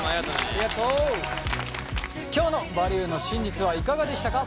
今日の「バリューの真実」はいかがでしたか？